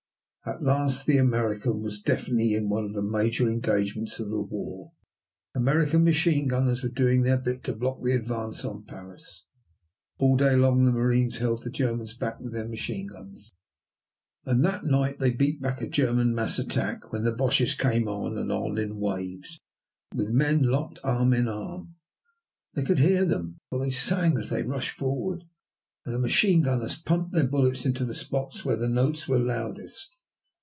At last the American was definitely in one of the major engagements of the war. American machine gunners were doing their bit to block the advance on Paris. All day long the marines held the Germans back with their machine guns. And that night they beat back a German mass attack when the Boches came on and on in waves, with men locked arm in arm. They could hear them, for they sang as they rushed forward, and the machine gunners pumped their bullets into the spots where the notes were loudest.